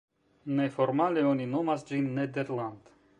Neformale oni nomas ĝin "Nederland.